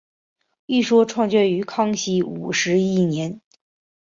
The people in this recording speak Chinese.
一说创建于康熙五十一年。